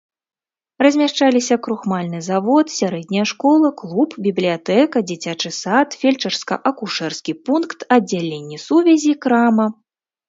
Размяшчаліся крухмальны завод, сярэдняя школа, клуб, бібліятэка, дзіцячы сад, фельчарска-акушэрскі пункт, аддзяленне сувязі, крама.